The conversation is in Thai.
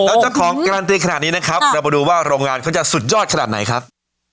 แล้วเจ้าของการันตีขนาดนี้นะครับเรามาดูว่าโรงงานเขาจะสุดยอดขนาดไหนครับ